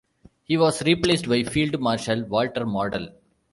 He was replaced by Field Marshal Walter Model.